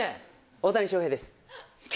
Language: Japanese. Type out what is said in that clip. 大谷翔平です。